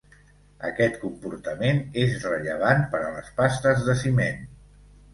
Aquest comportament és rellevant per a les pastes de ciment.